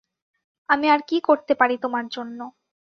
আমি আর কী করতে পারি তোমার জন্য?